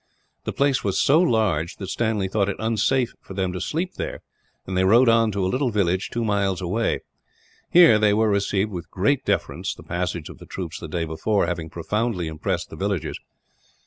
The place was so large that Stanley thought it unsafe for them to sleep there, and they rode on to a little village, two miles away. Here they were received with great deference, the passage of the troops the day before having profoundly impressed the villagers.